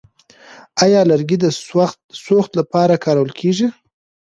آیا لرګي د سوخت لپاره کارول کیږي؟